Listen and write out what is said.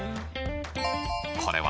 これは？